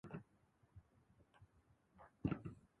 扉をつきやぶって室の中に飛び込んできました